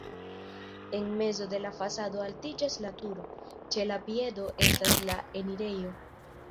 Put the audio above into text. En mezo de la fasado altiĝas la turo, ĉe la piedo estas la enirejo.